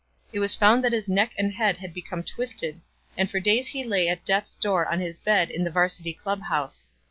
It was found that his neck and head had become twisted and for days he lay at death's door on his bed in the Varsity Club House.